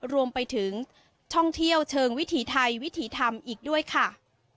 รวมถึงท่องเที่ยวเชิงวิถีไทยวิถีธรรมอีกด้วยค่ะ